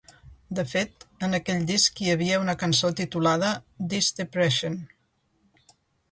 De fet, en aquell disc hi havia una cançó titulada ‘This Depression’.